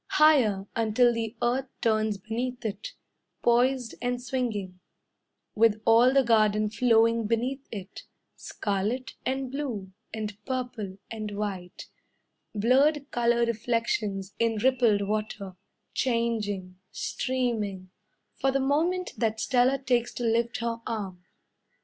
Higher, Until the earth turns beneath it; Poised and swinging, With all the garden flowing beneath it, Scarlet, and blue, and purple, and white Blurred colour reflections in rippled water Changing streaming For the moment that Stella takes to lift her arm.